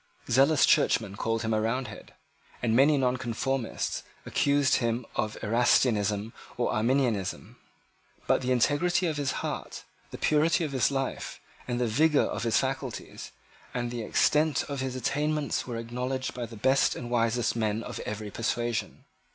Zealous Churchmen called him a Roundhead; and many Nonconformists accused him of Erastianism and Arminianism. But the integrity of his heart, the purity of his life, the vigour of his faculties, and the extent of his attainments were acknowledged by the best and wisest men of every persuasion.